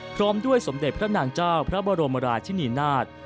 พร้อมด้วยสมเด็จพระนางเจ้าพระบรมราชินีนาฏ